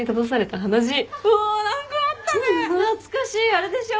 あれでしょ？